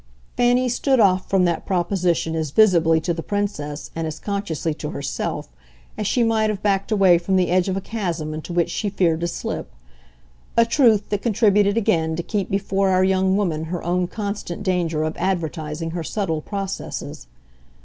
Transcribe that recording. Fanny stood off from that proposition as visibly to the Princess, and as consciously to herself, as she might have backed away from the edge of a chasm into which she feared to slip; a truth that contributed again to keep before our young woman her own constant danger of advertising her subtle processes.